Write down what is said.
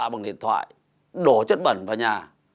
đe dọa bằng điện thoại đổ chất bẩn vào nhà